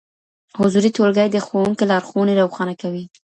حضوري ټولګي د ښوونکي لارښوونې روښانه کوي.